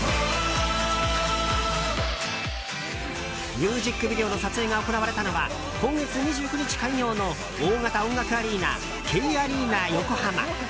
ミュージックビデオの撮影が行われたのは、今月２９日開業の大型音楽アリーナＫアリーナ横浜。